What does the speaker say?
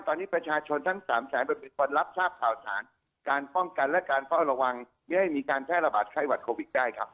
ตอนนี้ประชาชนทั้ง๓แสนเป็นคนรับทราบข่าวสารการป้องกันและการเฝ้าระวังไม่ให้มีการแพร่ระบาดไข้หวัดโควิดได้ครับ